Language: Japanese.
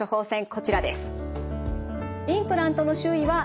こちらです。